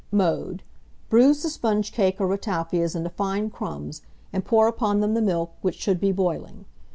Mode. Bruise the sponge cake or ratafias into fine crumbs, and pour upon them the milk, which should be boiling.